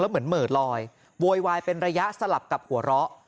เหมือนเหมือดลอยโวยวายเป็นระยะสลับกับหัวเราะ